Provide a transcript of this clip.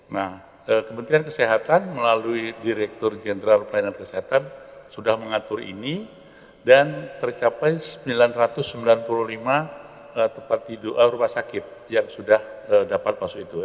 nah kementerian kesehatan melalui direktur jenderal pelayanan kesehatan sudah mengatur ini dan tercapai sembilan ratus sembilan puluh lima rumah sakit yang sudah dapat masuk itu